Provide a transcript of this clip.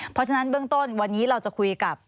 เพราะฉะนั้นเบื้องต้นวันนี้เราจะคุยกับ